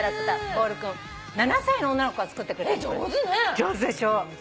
上手でしょ。